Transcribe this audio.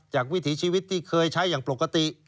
วิถีชีวิตที่เคยใช้อย่างปกติ